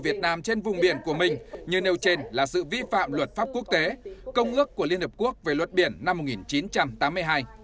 việt nam trên vùng biển của mình như nêu trên là sự vi phạm luật pháp quốc tế công ước của liên hợp quốc về luật biển năm một nghìn chín trăm tám mươi hai